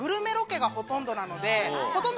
ほとんど。